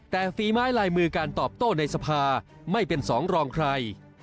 แต่ฝีไม้ลายมือการตอบโต้ในสภาไม่เป็นสองรองใคร